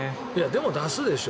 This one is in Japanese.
でも、出すでしょ。